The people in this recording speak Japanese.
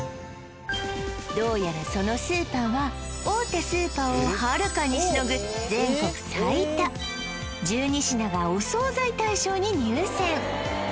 どうやらそのスーパーは大手スーパーをはるかにしのぐ全国最多１２品がお惣菜大賞に入選